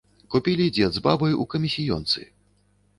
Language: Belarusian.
Купілі дзед з бабай у камісіёнцы.